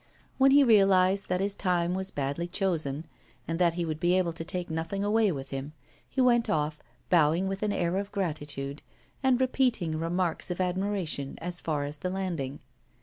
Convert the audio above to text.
When he realised that his time was badly chosen, and that he would be able to take nothing away with him, he went off, bowing with an air of gratitude, and repeating remarks of admiration as far as the landing.